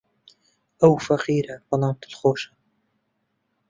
ئەو فەقیرە، بەڵام دڵخۆشە.